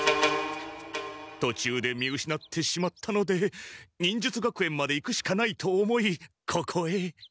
とちゅうで見失ってしまったので忍術学園まで行くしかないと思いここへ。